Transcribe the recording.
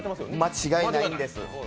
間違いないんです。